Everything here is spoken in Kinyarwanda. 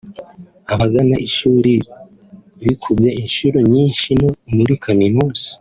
abagana ishuri bikubye inshuro nyinshi no muri kaminuza